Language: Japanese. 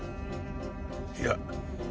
いや。